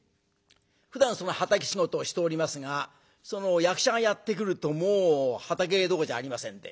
ふだん畑仕事をしておりますが役者がやって来るともう畑どころじゃありませんで。